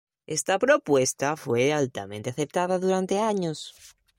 Esta propuesta fue altamente aceptada durante años.